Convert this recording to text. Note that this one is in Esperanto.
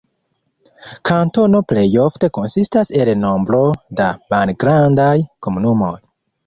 Kantono plejofte konsistas el nombro da malgrandaj komunumoj.